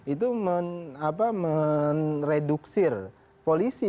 itu mereduksir polisi